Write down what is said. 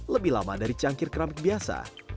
lebih lama dari cangkir keramik biasa